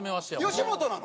吉本なの？